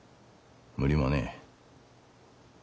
無理もねえ。